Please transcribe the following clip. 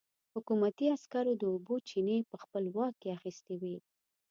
حکومتي عسکرو د اوبو چينې په خپل واک کې اخيستې وې.